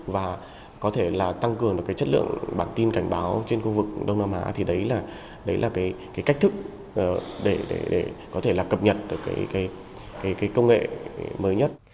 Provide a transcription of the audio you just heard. và có thể là tăng cường được cái chất lượng bản tin cảnh báo trên khu vực đông nam á thì đấy là đấy là cái cách thức để có thể là cập nhật được cái công nghệ mới nhất